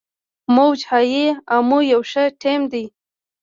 موج های امو یو ښه ټیم دی.